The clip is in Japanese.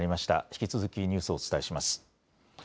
引き続きニュースをお伝えします。